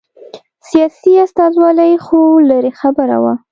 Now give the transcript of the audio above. سیاسي استازولي خو لرې خبره وه.